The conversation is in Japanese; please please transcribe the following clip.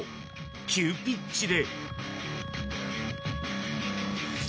急ピッチで。